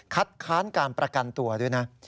ค้านการประกันตัวด้วยนะ